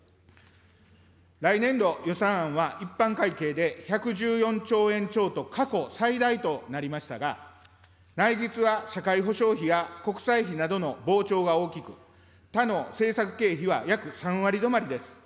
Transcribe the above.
来年度予算案は、一般会計で１１４兆円超と過去最大となりましたが、内実は社会保障費や国債費などの膨張が大きく、他の政策経費は約３割止まりです。